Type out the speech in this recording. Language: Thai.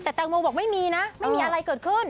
แต่แตงโมบอกไม่มีนะไม่มีอะไรเกิดขึ้น